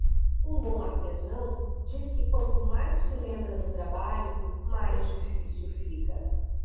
Um bom artesão diz que quanto mais se lembra do trabalho, mais difícil fica.